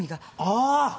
ああ！